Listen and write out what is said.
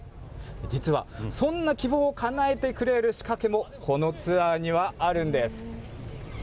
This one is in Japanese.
実は、そんな希望をかなえてくれる仕掛けも、このツアーにはあるんです。